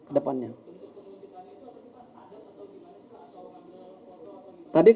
untuk pembentukannya itu apakah kita ada pertolongan foto atau tidak